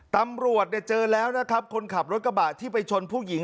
ตำรวจเนี่ยเจอแล้วนะครับคนขับรถกระบะที่ไปชนผู้หญิง